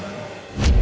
kau beneran raja